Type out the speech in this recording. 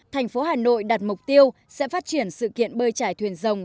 thành phố hà nội đặt mục tiêu sẽ phát triển sự kiện bơi trải thuyền rồng